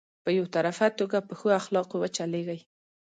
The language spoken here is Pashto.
په يو طرفه توګه په ښو اخلاقو وچلېږي.